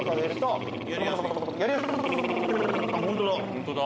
本当だ！